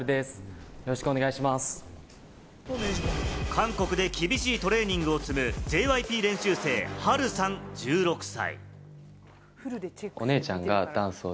韓国で厳しいトレーニングを積むＪＹＰ練習生・ハルさん、１６歳。